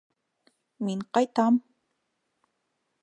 Мин ҡайтам!